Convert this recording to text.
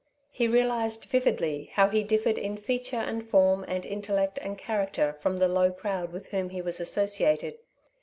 He realized vividly how he differed in feature and form and intellect and character from the low crowd with whom he was associated.